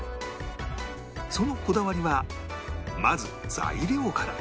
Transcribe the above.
そのこだわりはまず材料から